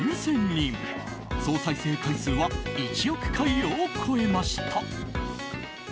総再生回数は１億回を超えました。